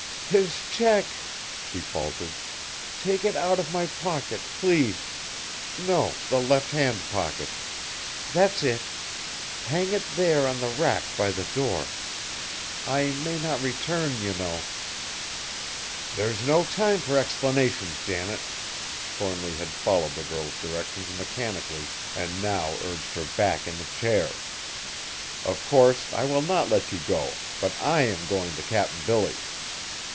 "His check," she faltered, "take it out of my pocket, please. No, the left hand pocket. That's it. Hang it there on the rack by the door. I may not return, you know." "There's no time for explanations, Janet." Thornly had followed the girl's directions mechanically, and now urged her back in the chair. "Of course I will not let you go, but I am going to Cap'n Billy.